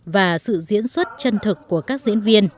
và sự diễn xuất chân thực của các diễn viên